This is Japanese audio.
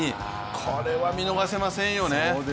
これは見逃せませんよね。